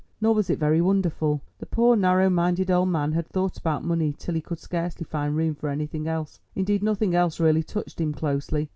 Nor was it very wonderful; the poor narrow minded old man had thought about money till he could scarcely find room for anything else, indeed nothing else really touched him closely.